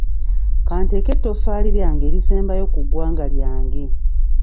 Ka nteeke ettoffaali lyange erisembayo ku ggwanga lyange.